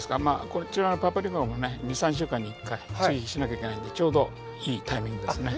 こちらのパプリカもね２３週間に１回追肥しなきゃいけないんでちょうどいいタイミングですね。